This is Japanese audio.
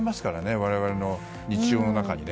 我々の日常の中に。